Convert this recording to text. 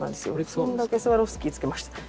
フンだけスワロフスキーつけました。